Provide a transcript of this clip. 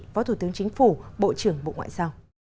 phó thủ tướng chính phủ bộ trưởng bộ ngoại giao